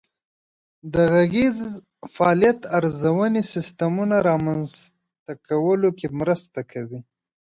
د غږیز فعالیت ارزونې سیسټمونه رامنځته کولو کې مرسته کوي.